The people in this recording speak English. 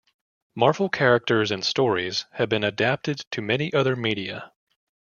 Marvel characters and stories have been adapted to many other media.